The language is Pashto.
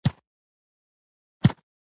چـې د واک او قـدرت تـېږي وي .